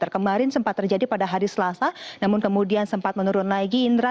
kemarin sempat terjadi pada hari selasa namun kemudian sempat menurun lagi indra